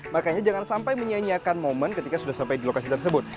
makanya jangan sampai menyianyiakan momen ketika sudah sampai di lokasi tersebut